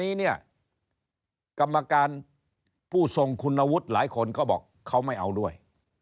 นี้เนี่ยกรรมการผู้ทรงคุณวุฒิหลายคนก็บอกเขาไม่เอาด้วย